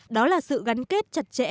đó là sự gắn kết chặt chẽ